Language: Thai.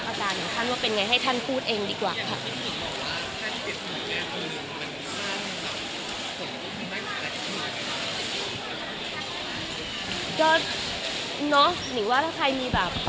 ก็จะช่วยว่าเป็นไงให้ท่านพูดเองดีกว่า